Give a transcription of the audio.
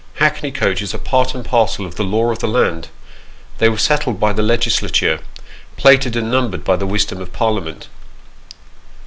Hackney coaches are part and parcel of the law of the land ; they were settled by the Legislature ; plated and numbered by the wisdom of Parlia ment.